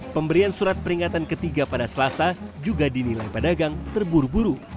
pemberian surat peringatan ketiga pada selasa juga dinilai pedagang terburu buru